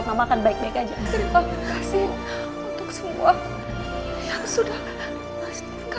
terima kasih untuk semua yang sudah kamu lakuin